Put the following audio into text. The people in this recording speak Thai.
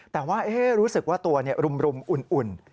แต่ว่ารู้สึกว่าตัวรุมอุ่น